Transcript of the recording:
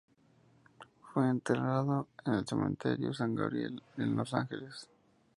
Fue enterrado en el Cementerio San Gabriel, en Los Ángeles.